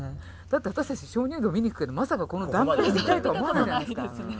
だって私たち鍾乳洞見に行くけどまさかこの断片見たいと思わないじゃないですか。